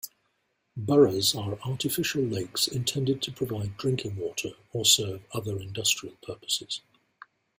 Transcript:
Boroughs are artificial lakes intended to provide drinking water or serve other industrial purposes.